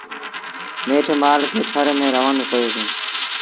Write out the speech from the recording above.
نيٺ مآل کي ٿر ميݩ روآنون ڪيو سيٚݩ۔۔